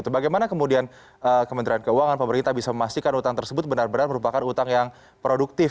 bagaimana kemudian kementerian keuangan pemerintah bisa memastikan utang tersebut benar benar merupakan utang yang produktif